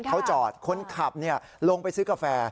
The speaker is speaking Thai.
เขาจอดคนขับลงไปซื้อกาแฟ